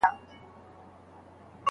هغه څه دي چې انسان پرې نه ملامتیږي؟